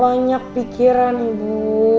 banyak pikiran ibu